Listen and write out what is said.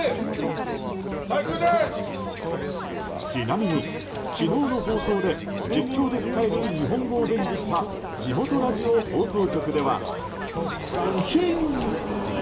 ちなみに昨日の放送で実況で使える日本語を伝授した地元ラジオ放送局では。